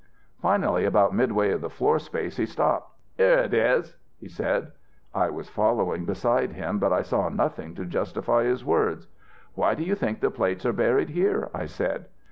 Finally about midway of the floor space he stopped. "'Here it is!' he said. "I was following beside him, but I saw nothing to justify his words. "Why do you think the plates are buried here?' I said.